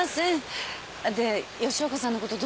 で吉岡さんのことどうでしたか？